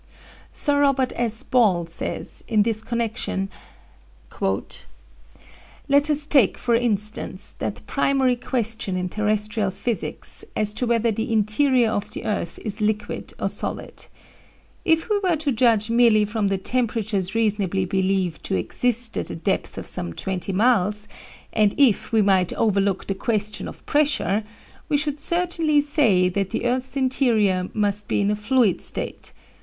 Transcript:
Sir Robert S. Ball says, in this connection: "Let us take, for instance, that primary question in terrestrial physics, as to whether the interior of the earth is liquid or solid. If we were to judge merely from the temperatures reasonably believed to exist at a depth of some twenty miles, and if we might overlook the question of pressure, we should certainly say that the earth's interior must be in a fluid state.